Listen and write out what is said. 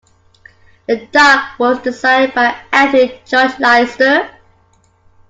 The dock was designed by Anthony George Lyster.